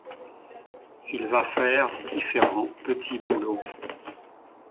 Il va faire différents petits boulots.